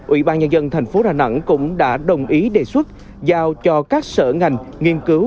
ủy ban nhân dân thành phố đà nẵng cũng đã đồng ý đề xuất giao cho các sở ngành nghiên cứu